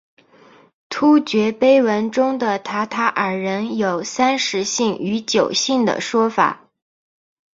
突厥碑文中的塔塔尔人有三十姓与九姓的说法。